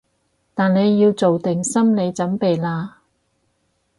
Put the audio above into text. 但你要做定心理準備喇